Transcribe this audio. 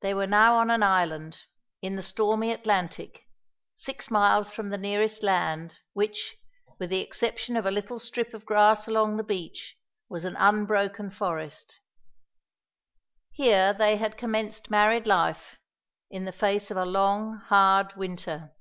They were now on an island, in the stormy Atlantic, six miles from the nearest land, which, with the exception of a little strip of grass along the beach, was an unbroken forest. Here they had commenced married life, in the face of a long, hard winter.